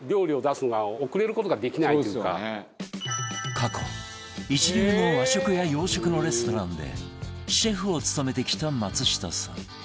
過去一流の和食や洋食のレストランでシェフを務めてきた松下さん